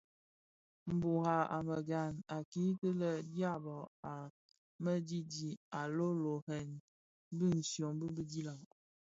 Mburag a meghan a kiki lè dyaba a mëdidi a lōōrèn bishyō bi bidilag.